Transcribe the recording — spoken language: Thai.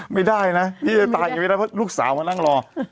ไม่ได้นะพี่จะตายยังไม่ได้เพราะลูกสาวมานั่งรอ